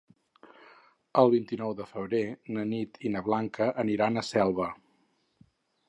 El vint-i-nou de febrer na Nit i na Blanca aniran a Selva.